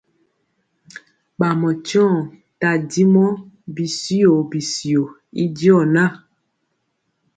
Bamɔ tyeoŋg tadimɔ bityio bityio y diɔ na.